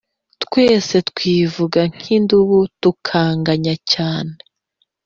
Twese twivuga nk idubu tukaganya cyane